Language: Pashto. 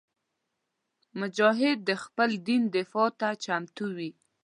مجاهد د خپل دین دفاع ته چمتو وي.